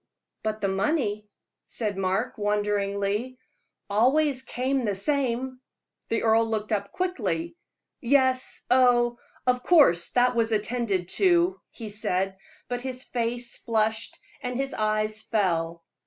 "But the money," said Mark, wonderingly, "always came the same." The earl looked up quickly. "Yes oh of course that was attended to," he said; but his face flushed and his eyes fell.